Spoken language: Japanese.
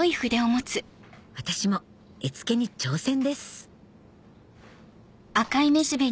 私も絵付けに挑戦です